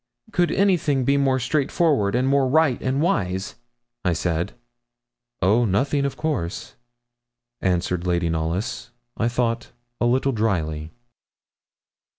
'Could anything be more straightforward, more right and wise?' I said. 'Oh, nothing of course,' answered Lady Knollys, I thought a little drily.